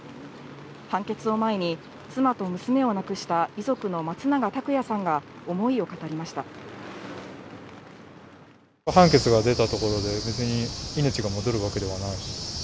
判決を前に妻と娘を亡くした遺族の松永拓也さんが思いを語りました。